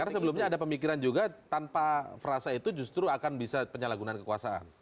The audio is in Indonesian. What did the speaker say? karena sebelumnya ada pemikiran juga tanpa frase itu justru akan bisa penyalahgunaan kekuasaan